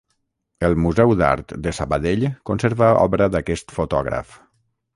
El Museu d'Art de Sabadell conserva obra d'aquest fotògraf.